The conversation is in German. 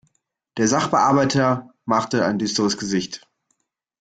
Der Sachbearbeiter machte ein düsteres Gesicht.